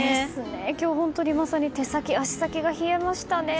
今日は本当に手先、足先が冷えました。